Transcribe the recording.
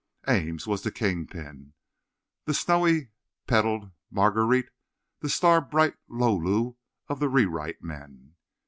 Ames was the king pin, the snowy petalled Marguerite, the star bright looloo of the rewrite men.